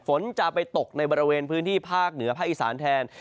ฝนจะไปตกในบริเวณพื้นที่ภาคเหนือภาคอีสานแทน